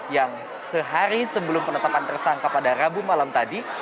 yang sehari sebelum penetapan tersangka pada rabu malam tadi